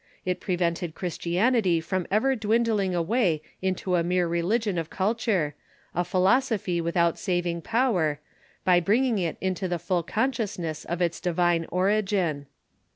It prevented Chris tianity from ever dwindling away into a mere religion of culture, a philosophy without saving power, by bringing it into the full consciousness of its divine origin.